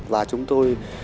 và chúng tôi